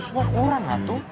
wah kurang lah tuh